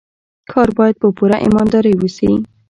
کار باید په پوره ایماندارۍ وشي.